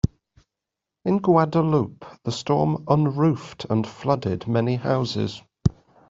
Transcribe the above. In Guadeloupe, the storm unroofed and flooded many houses.